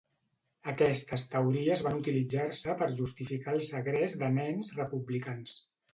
Aquestes teories van utilitzar-se per justificar el segrest de nens republicans.